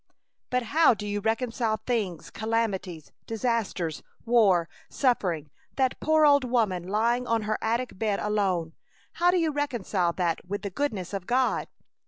"But how do you reconcile things, calamities, disasters, war, suffering, that poor old woman lying on her attic bed alone? How do you reconcile that with the goodness of God?"